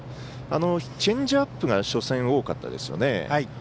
チェンジアップが初戦多かったですよね。